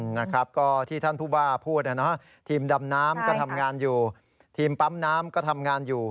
นะครับก็ที่ท่านผู้ว่าพูดนะฮะทีมดำน้ำก็ทำงานอยู่ทีมปั๊มน้ำก็ทำงานอยู่